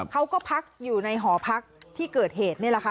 เขาก็พักอยู่ในหอพักที่เกิดเหตุนี่แหละค่ะ